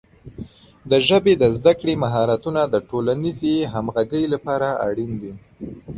د ژبې د زده کړې مهارتونه د ټولنیزې همغږۍ لپاره اړین دي.